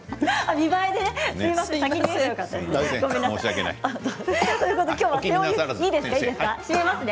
見栄えでね。